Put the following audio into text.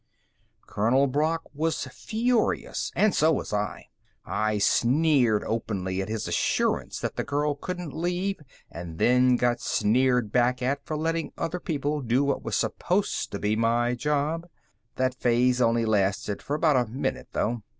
Colonel Brock was furious and so was I. I sneered openly at his assurance that the girl couldn't leave and then got sneered back at for letting other people do what was supposed to be my job. That phase only lasted for about a minute, though.